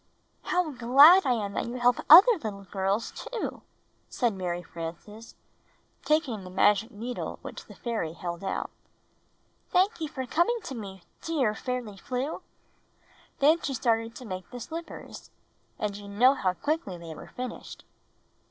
"How glad I am that you help other little girls, too," said Mary Frances, taking the magic needle which the fairy held out. "Thank you for coming to me, dear Fairly Flew!" Then she started to make the slippers — and you know how quickly they were finished.